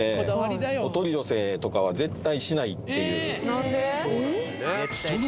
何で？